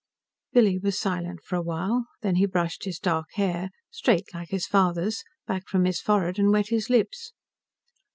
Billy was silent for a while, then he brushed his dark hair straight, like his father's back from his forehead and wet his lips.